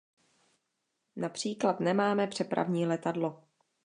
Například nemáme přepravní letadlo.